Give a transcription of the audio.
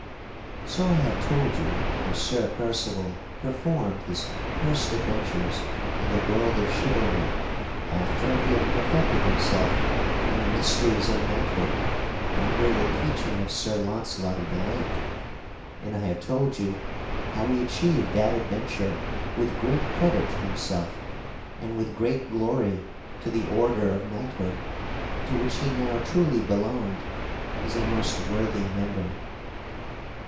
So I have told you how Sir Percival performed his first adventures in the world of chivalry after he had perfected himself in the mysteries of knighthood under the teaching of Sir Launcelot of the Lake, and I have told you how he achieved that adventure with great credit to himself and with great glory to the order of knighthood to which he now truly belonged as a most worthy member.